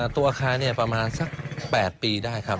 สร้างอาคารนี้ประมาณกี่ปีแล้วครับ